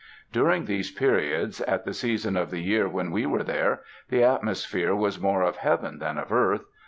During these periods at the season of the year when we were there, the atmosphere was more of heaven than of earth.